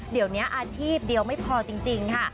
เดี๋ยวนี้อาชีพเดียวไม่พอจริงค่ะ